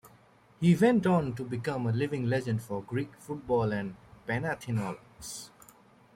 He went on to become a living legend for Greek football and Panathinaikos.